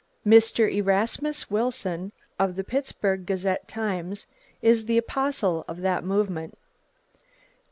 Mr. Erasmus Wilson, of the Pittsburgh Gazette Times is the apostle of that movement.